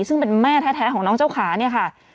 ซึ่งเป็นแม่แท้ของน้องเจ้าขาเนี่ยค่ะ